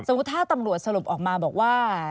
สมมุติถ้าตำรวจสลบออกมาบอกว่า